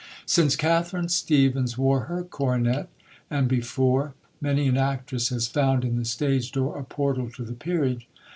Since Catherine Stephens wore her coronet and before many an actress has found in the stage door a portal to the Peerage.